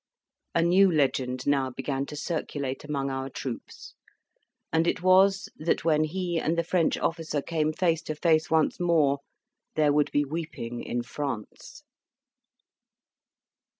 A new legend now began to circulate among our troops; and it was, that when he and the French officer came face to face once more, there would be weeping in France.